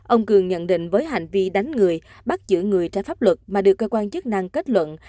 ông cường nhận định với hành vi đánh người bắt giữ người trái pháp luật mà được cơ quan chức năng kết luận